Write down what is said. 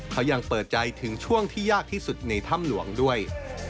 เขายังเปิดใจถึงช่วงที่ยากที่สุดในถ้ำหลวงด้วย